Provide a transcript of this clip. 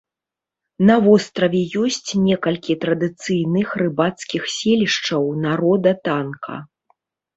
На востраве ёсць некалькі традыцыйных рыбацкіх селішчаў народа танка.